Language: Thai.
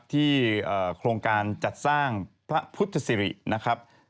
โครงการจัดสร้างพระพุทธศิรินะครับ